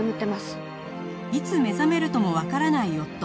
いつ目覚めるともわからない夫